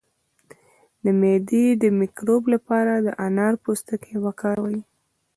د معدې د مکروب لپاره د انار پوستکی وکاروئ